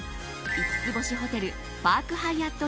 ５つ星ホテル、パークハイアット